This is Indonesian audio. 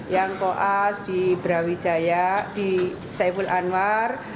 yang koas di brawijaya di saiful anwar